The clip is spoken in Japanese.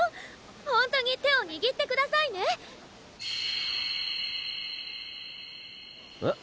ホントに手を握ってくださいねえっ？